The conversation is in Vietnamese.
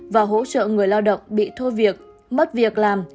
và hỗ trợ người lao động bị thôi việc mất việc làm